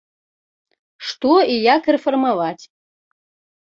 Што і як рэфармаваць?